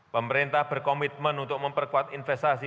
pemerintah berkomitmen untuk memperkuat investasi